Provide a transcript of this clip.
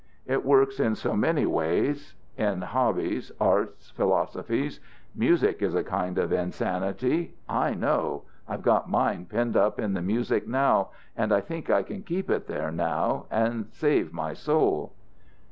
It works in so many ways. In hobbies, arts, philosophies. Music is a kind of insanity. I know. I've got mine penned up in the music now, and I think I can keep it there now, and save my soul."